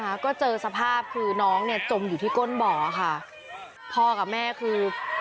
นะคะก็เจอสภาพคือน้องเนี่ยจมอยู่ที่ก้นบ่อค่ะพ่อกับแม่คือ